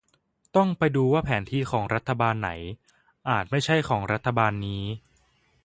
ต้องไปดูว่าแผนที่ของรัฐบาลไหน อาจไม่ใช่ของรัฐบาลนี้